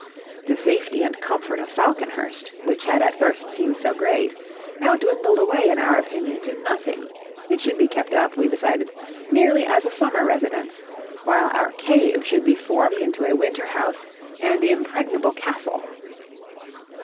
The safety and comfort of Falconhurst, which had at first seemed so great, now dwindled away in our opinion to nothing; it should be kept up, we decided, merely as a summer residence, while our cave should be formed into a winter house and impregnable castle.